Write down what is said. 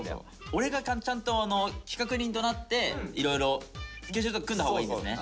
俺がちゃんと企画人となっていろいろスケジュールとか組んだほうがいいんですね。